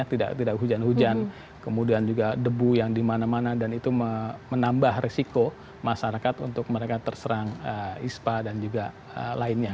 tidak hujan hujan kemudian juga debu yang dimana mana dan itu menambah resiko masyarakat untuk mereka terserang ispa dan juga lainnya